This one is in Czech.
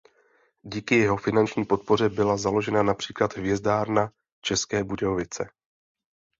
Díky jeho finanční podpoře byla založena například Hvězdárna České Budějovice.